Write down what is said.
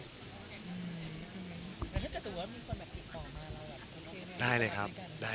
แต่ถ้าสมมติว่ามีคนออกมาแล้ว